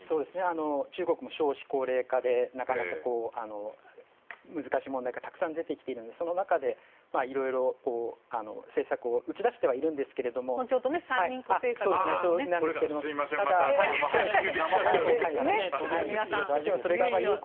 中国も少子高齢化でなかなか難しい問題がたくさん出てきているのでその中で色々、政策を打ち出してはいるんですがちょうど三人っ子政策が後ほど。